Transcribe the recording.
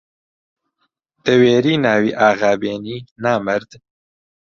دەوێری ناوی ئاغا بێنی نامەرد!